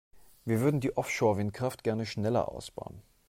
Wir würden die Offshore-Windkraft gerne schneller ausbauen.